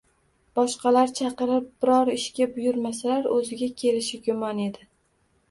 Boshqalar chaqirib biror ishga buyurmasalar, o‘ziga kelishi gumon edi